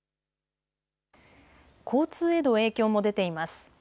交通への影響も出ています。